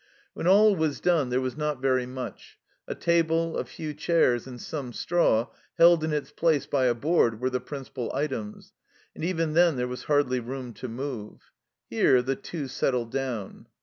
When all was done there was not very much ; a table, a few chairs, and some straw held in its place by a board, were the principal items, and even then there was hardly room to move. Here the Two settled down.